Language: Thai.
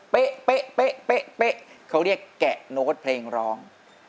เป๊ะเขาเรียกแกะโน้ตเพลงร้อง